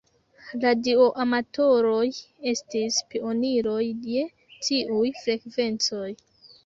Radioamatoroj estis pioniroj je tiuj frekvencoj.